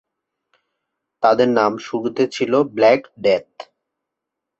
তাদের নাম শুরুতে ছিল ব্ল্যাক ডেথ।